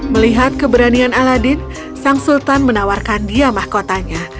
melihat keberanian aladin sang sultan menawarkan dia mahkotanya